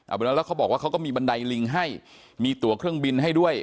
เอาเป็นว่าแล้วเขาบอกว่าเขาก็มีบันไดลิงให้มีตัวเครื่องบินให้ด้วย